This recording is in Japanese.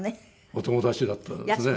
お友達だったんですよね？